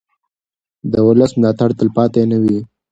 د ولس ملاتړ تلپاتې نه وي